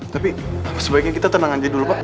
tapi sebaiknya kita tenang aja dulu pak